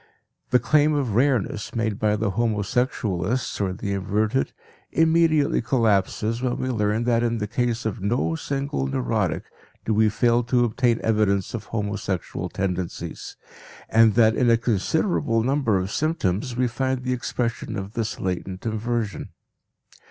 The claim of rareness made by the homosexualists or the inverted immediately collapses when we learn that in the case of no single neurotic do we fail to obtain evidence of homosexual tendencies, and that in a considerable number of symptoms we find the expression of this latent inversion.